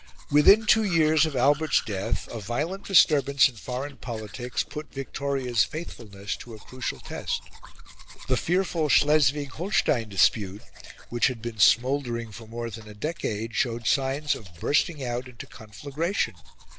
Within two years of Albert's death a violent disturbance in foreign politics put Victoria's faithfulness to a crucial test. The fearful Schleswig Holstein dispute, which had been smouldering for more than a decade, showed signs of bursting out into conflagration.